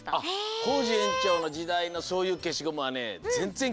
コージえんちょうのじだいのそういうけしゴムはねぜんぜんきえなかったね。